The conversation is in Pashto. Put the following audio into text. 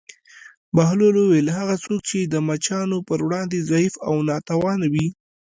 بهلول وویل: هغه څوک چې د مچانو پر وړاندې ضعیف او ناتوانه وي.